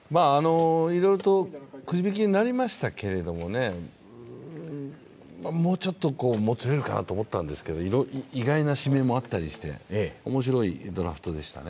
いろいろとくじ引きになりましたけれども、もうちょっともつれるかなと思ったんですけど意外な指名もあったりして、面白いドラフトでしたね。